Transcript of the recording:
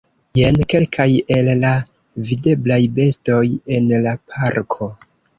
Jen kelkaj el la videblaj bestoj en la parko.